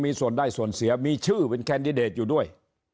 มีส่วนได้ส่วนเสียมีชื่อเป็นแคนดิเดตอยู่ด้วย